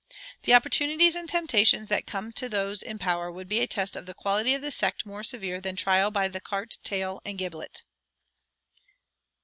The opportunities and temptations that come to those in power would be a test of the quality of the sect more severe than trial by the cart tail and the gibbet.